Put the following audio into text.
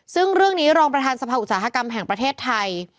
ซึ่งเรื่องนี้รองประธานสภาอุตสาหกรรมแห่งประเทศไทย